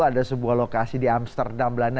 ada sebuah lokasi di amsterdam belanda